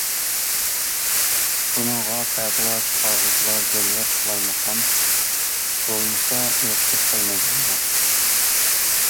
بۇنىڭغا پەتىۋا چىقارغۇچىلار جەمئىيەت قالايمىقان بولمىسا ئۇيقۇسى كەلمەيدىغانلار.